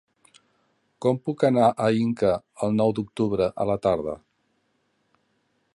Com puc anar a Inca el nou d'octubre a la tarda?